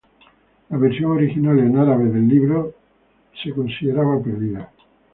La versión original en árabe del libro se consideraba perdida.